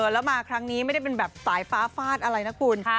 แล้วมาครั้งนี้ไม่ได้เป็นแบบสายฟ้าฟาดอะไรนะคุณ